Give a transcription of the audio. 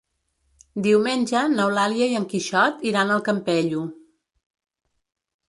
Diumenge n'Eulàlia i en Quixot iran al Campello.